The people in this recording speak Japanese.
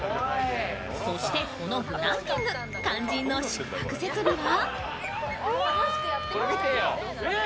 そしてこのグランピング肝心の宿泊設備は？